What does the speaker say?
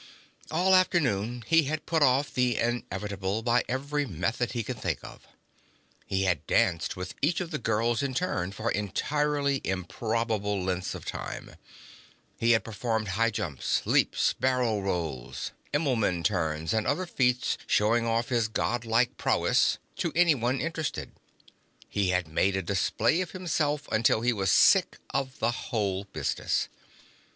All afternoon, he had put off the inevitable by every method he could think of. He had danced with each of the girls in turn for entirely improbable lengths of time. He had performed high jumps, leaps, barrel rolls, Immelmann turns and other feats showing off his Godlike prowess to anyone interested. He had made a display of himself until he was sick of the whole business.